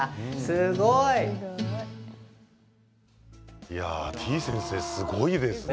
すごい！てぃ先生、すごいですね。